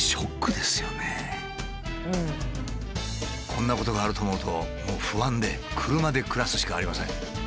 こんなことがあると思うともう不安で車で暮らすしかありません。